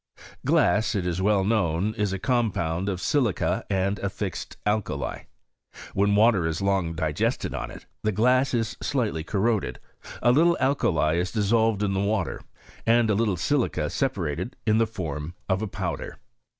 Glass, it is well known, ia a compound of silica and a fixed alkali. When water is long digested on it the glass is slightly coI*l roded, a little alkali is dissolved in the water and \ little silica separated iu the form of a powder.